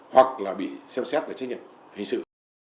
hoặc là bị xem xét trách nhiệm hình sự